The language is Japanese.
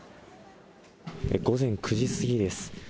午前９時過ぎです。